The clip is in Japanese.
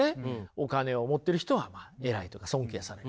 お金を持っている人は偉いとか尊敬される。